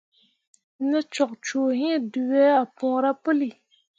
Ne cok cuu hĩĩ, dǝwe ah puura puli.